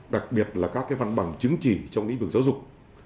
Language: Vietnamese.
đặc biệt là các văn bằng chứng chỉ trong lĩnh vực giáo dục